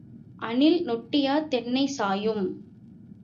அணில் நொட்டியா தென்னை சாயும்?